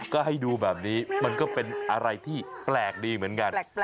ก็ให้ดูแบบนี้มันก็เป็นอะไรที่แปลกดีเหมือนกัน